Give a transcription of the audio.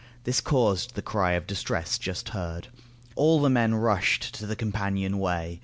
This caused the cry of distress just heard. All the men rushed to the companion way.